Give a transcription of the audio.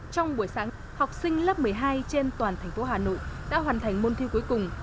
trong buổi sáng học sinh lớp một mươi hai trên toàn thành phố hà nội đã hoàn thành môn thi cuối cùng